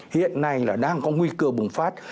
hiện nay là đang có nguy cơ bùng phát